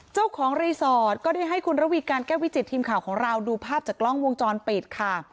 เจ้าของรีสอร์ทก็ได้ให้คุณระวีการแก้ววิจิตทีมข่าวของเราดูภาพจากกล้องวงจรปิดค่ะ